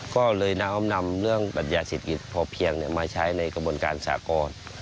ก็เลยน้อมนำเรื่องปัญญาเศรษฐกิจพอเพียงมาใช้ในกระบวนการสากร